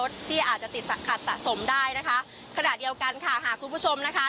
ที่อาจจะติดสะขัดสะสมได้นะคะขณะเดียวกันค่ะหากคุณผู้ชมนะคะ